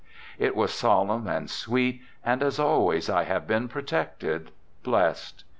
It was solemn and sweet, and as always I have been protected, blessed.